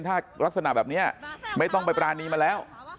ถ้ารักษณะแบบนี้ไม่ต้องไปปรานีมาแล้ว